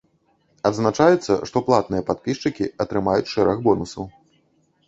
Адзначаецца, што платныя падпісчыкі атрымаюць шэраг бонусаў.